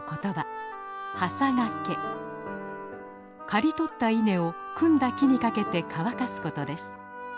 刈り取った稲を組んだ木に掛けて乾かすことです。